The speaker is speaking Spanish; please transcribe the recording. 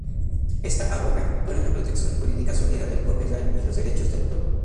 Ésta aboga por una protección jurídica sólida del copyright y los derechos de autor.